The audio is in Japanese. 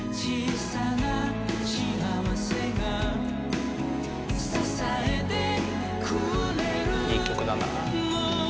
いい曲だなあ。